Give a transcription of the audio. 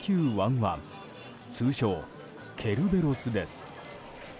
．１．通称ケルベロスです。